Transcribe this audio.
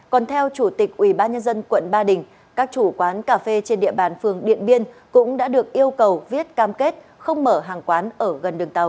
còn theo chủ tịch ubnd quận ba đình các chủ quán cà phê trên địa bàn phường điện biên cũng đã được yêu cầu viết cam kết không mở hàng quán ở gần đường tàu